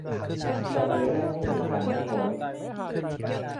จะมีเรื่องให้หนีกันไม่พ้น